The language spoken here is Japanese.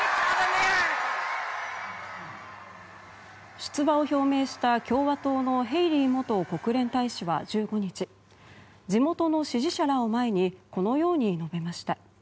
出馬を表明した共和党のヘイリー元国連大使は１５日、地元の支持者らを前にこのように述べました。